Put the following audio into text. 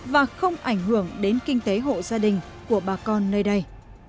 và không ảnh hưởng đến kinh tế hộ gia đình của bà con nơi đây